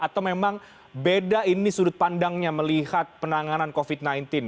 atau memang beda ini sudut pandangnya melihat penanganan covid sembilan belas